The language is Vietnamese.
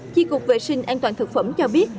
chi cục vệ sinh an toàn thực phẩm cho biết